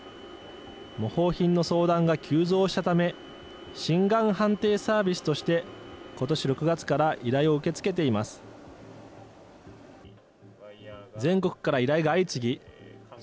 模倣品の相談が急増したため、真がん判定サービスとして、ことし６月から依頼を受け付けています。